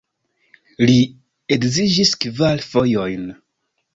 Li edziĝis kvar fojojn.